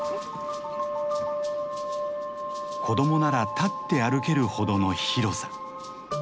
子供なら立って歩けるほどの広さ。